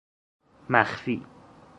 مخفی